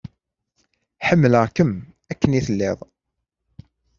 Ḥemmleɣ-kem akken i telliḍ.